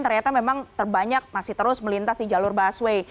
ternyata memang terbanyak masih terus melintas di jalur busway